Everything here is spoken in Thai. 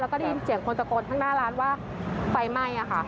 แล้วก็ได้ยินเสียงคนตะโกนข้างหน้าร้านว่าไฟไหม้อะค่ะ